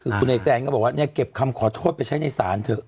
คือคุณไอแซนก็บอกว่าเนี่ยเก็บคำขอโทษไปใช้ในศาลเถอะ